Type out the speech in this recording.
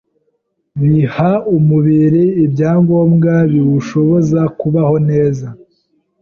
biha umubiri ibyangombwa biwushoboza kubaho neza.